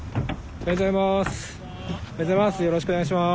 おはようございます。